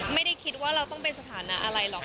ไม่ได้คิดว่าเราต้องเป็นสถานะอะไรหรอก